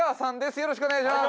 よろしくお願いします！